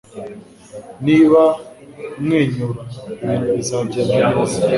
Niba umwenyura ibintu bizagenda neza. ”